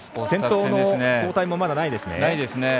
先頭の交代もまだないですね。